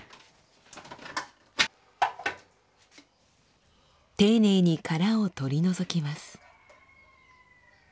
丁寧に殻を取り除きます。